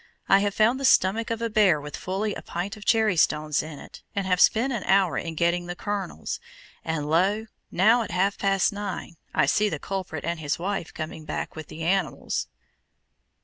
I have found the stomach of a bear with fully a pint of cherrystones in it, and have spent an hour in getting the kernels; and lo! now, at half past nine, I see the culprit and his wife coming back with the animals.